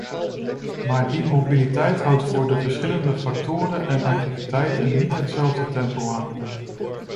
Maar die mobiliteit houdt voor de verschillende factoren en activiteiten niet hetzelfde tempo aan.